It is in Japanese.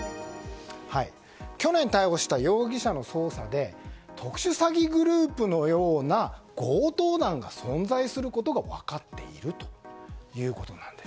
去年、逮捕した容疑者の捜査で特殊詐欺グループのような強盗団が存在することが分かっているということなんです。